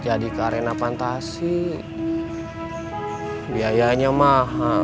jadi ke arena fantasi biayanya mahal